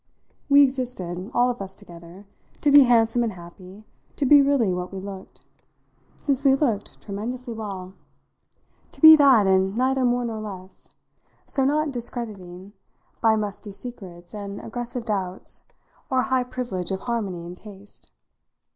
We existed, all of us together, to be handsome and happy, to be really what we looked since we looked tremendously well; to be that and neither more nor less, so not discrediting by musty secrets and aggressive doubts our high privilege of harmony and taste.